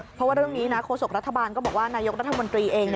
เพราะว่าเรื่องนี้นะโฆษกรัฐบาลก็บอกว่านายกรัฐมนตรีเอง